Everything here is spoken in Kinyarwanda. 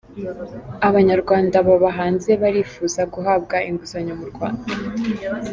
Abanyarwanda baba hanze barifuza guhabwa inguzanyo mu Rwanda.